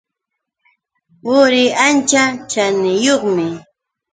Quri ancha chaniyuqmi.